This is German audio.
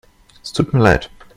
Es tut mir leid.